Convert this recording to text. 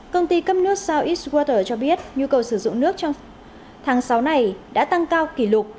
công ty cấp nước south eastwater cho biết nhu cầu sử dụng nước trong tháng sáu này đã tăng cao kỷ lục